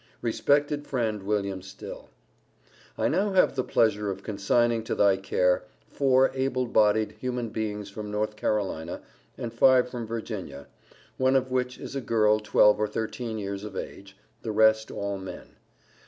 RESPECTED FRIEND, WILLIAM STILL: I now have the pleasure of consigning to thy care four able bodied human beings from North Carolina, and five from Virginia, one of which is a girl twelve or thirteen years of age, the rest all men.